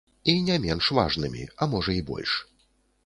І не менш важнымі, а можа і больш.